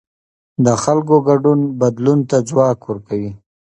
د خلکو ګډون بدلون ته ځواک ورکوي